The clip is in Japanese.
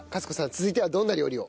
続いてはどんな料理を？